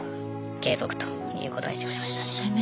継続ということにしてくれましたね。